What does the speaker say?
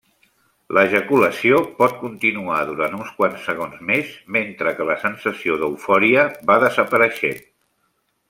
L'ejaculació pot continuar durant uns quants segons més, mentre que la sensació d'eufòria va desapareixent.